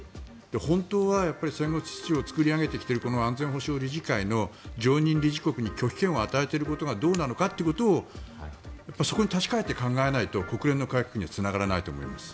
本当は戦後秩序を作り上げてきている安全保障調査会の常任理事国に拒否権を与えていることがどうなのかをそこに立ち返らないと国連の改革にはつながらないと思います。